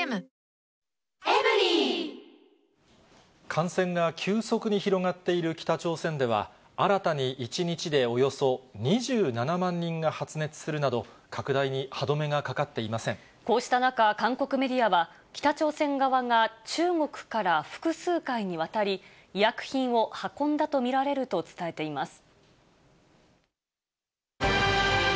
感染が急速に広がっている北朝鮮では、新たに１日でおよそ２７万人が発熱するなど、拡大に歯止めがかかこうした中、韓国メディアは、北朝鮮側が中国から複数回にわたり、医薬品を運んだと見られると伝えています。